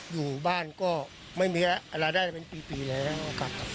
อยู่บ้านก็ไม่มีรายได้เป็นปีแล้วครับ